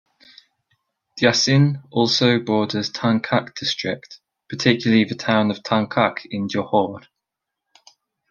Jasin also borders Tangkak District, particularly the town of Tangkak in Johor.